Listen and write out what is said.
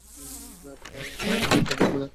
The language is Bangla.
তাহলে আমাদের কোনও নিয়ন্ত্রণ থাকবে না।